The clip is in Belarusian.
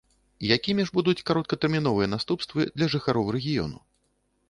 Якімі ж будуць кароткатэрміновыя наступствы для жыхароў рэгіёну?